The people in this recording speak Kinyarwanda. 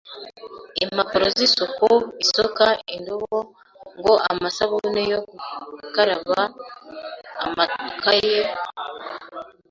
impapuro z’isuku, isuka, indobo, ngo amasabune yo gukaraba, amakaye,